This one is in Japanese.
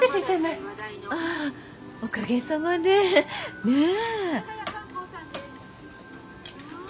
あっおかげさまで。ねぇ。